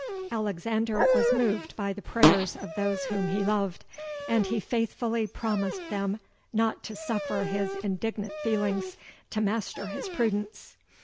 Alexander was moved by the prayers of those whom he loved; and he faithfully promised them not to suffer his indignant feelings to master his prudence.